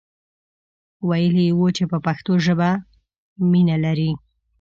ویلی وو چې په پښتو ژبه مینه لري.